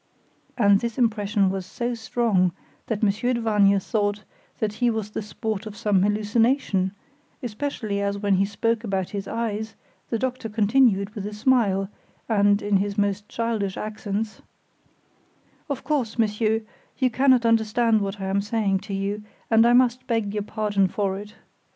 And this impression was so strong, that Monsieur de Vargnes thought that he was the sport of some hallucination, especially as when he spoke about his eyes, the doctor continued with a smile, and in his most childish accents: "Of course, Monsieur, you cannot understand what I am saying to you, and I must beg your pardon for it.